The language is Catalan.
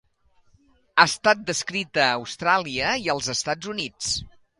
Ha estat descrita a Austràlia i als Estats Units.